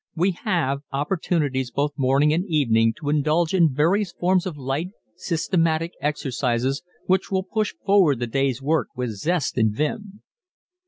_ We have opportunities both morning and evening to indulge in various forms of light, systematic exercises which will push forward the day's work with zest and vim.